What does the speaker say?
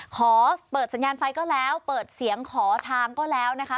ขอเปิดสัญญาณไฟก็แล้วเปิดเสียงขอทางก็แล้วนะคะ